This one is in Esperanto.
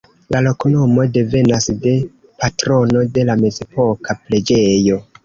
La loknomo devenas de patrono de la mezepoka preĝejo.